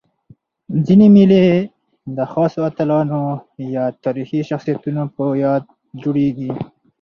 ځيني مېلې د خاصو اتلانو یا تاریخي شخصیتونو په یاد جوړيږي.